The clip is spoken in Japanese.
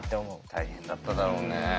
大変だっただろうね。